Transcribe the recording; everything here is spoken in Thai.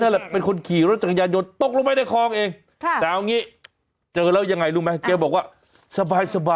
โอ้โหนี่รอดปัทธิหารครับ